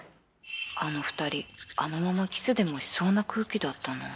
あの２人あのままキスでもしそうな空気だったな